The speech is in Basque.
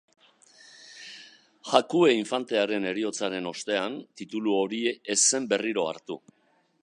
Jakue infantearen heriotzaren ostean, titulu hori ez zen berriro hartu.